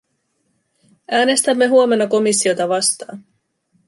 Äänestämme huomenna komissiota vastaan.